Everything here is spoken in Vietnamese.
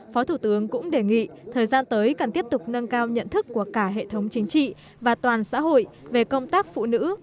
phó thủ tướng cũng đề nghị thời gian tới cần tiếp tục nâng cao nhận thức của cả hệ thống chính trị và toàn xã hội về công tác phụ nữ và vấn đề bình đẳng giới